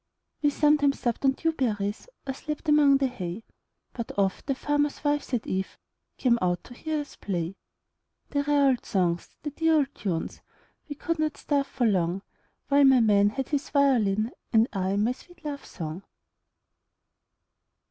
We sometimes supped on dew berries, Or slept among the hay, But oft the farmers' wives at eveCame out to hear us play; The rare old songs, the dear old tunes,—We could not starve for longWhile my man had his violin, And I my sweet love song.